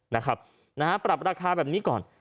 นะฮะปรับราคาแบบนี้ก่อน